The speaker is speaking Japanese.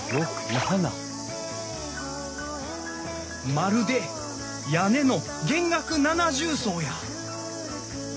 まるで屋根の弦楽七重奏や！